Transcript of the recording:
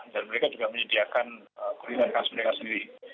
mereka juga menyediakan kuliner khas mereka sendiri